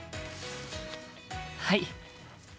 はい。